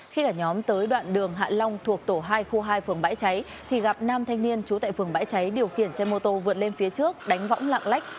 khi cả nhóm tới đoạn đường hạ long thuộc tổ hai khu hai phường bãi cháy thì gặp nam thanh niên trú tại phường bãi cháy điều khiển xe mô tô vượt lên phía trước đánh võng lạng lách